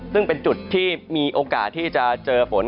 ซึ่งเป็นจุดที่มีโอกาสที่จะเจอฝน